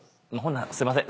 すいません。